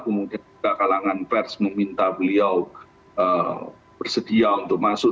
kemudian juga kalangan pers meminta beliau bersedia untuk masuk